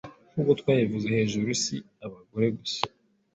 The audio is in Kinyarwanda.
Nkuko twabivuze hejuru si abagore gusa